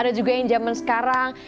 ada juga yang zaman sekarang